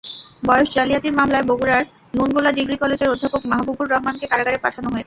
বয়স জালিয়াতির মামলায় বগুড়ার নুনগোলা ডিিগ্র কলেজের অধ্যক্ষ মাহবুবুর রহমানকে কারাগারে পাঠানো হয়েছে।